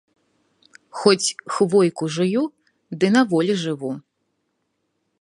Хоць хвойку жую, ды на волі жыву